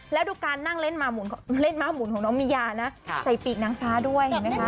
และดูการเล่นมาร์หมุนเล่นมาร์หมุนของน้องมียานะใส่ปีกน้ำฟ้าด้วยอยู่ไหมคะ